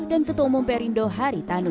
dan ketua umum perindo haritanu